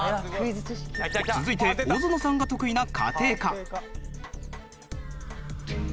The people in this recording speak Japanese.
続いて大園さんが得意な家庭科。